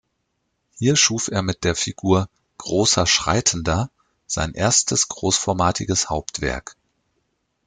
Hier schuf er mit der Figur “Großer Schreitender” sein erstes großformatiges Hauptwerk.